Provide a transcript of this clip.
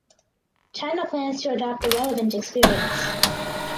China plans to adopt the relevant experience.